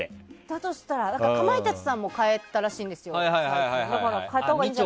だとしたら、かまいたちさんも変えたらしいんですよ、最近。